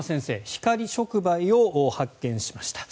光触媒を発見しました。